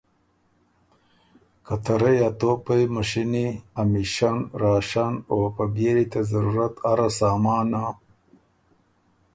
که ته رئ ا توپئ، مُشینی، امیشن، راشن، او په بيېلي ته ضرورت اره سامانه